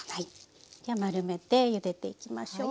では丸めてゆでていきましょう。